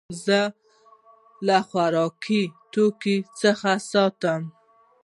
زه له خوراکي توکو څخه ساتم.